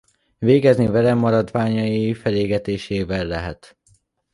Végezni vele maradványai felégetésével lehet.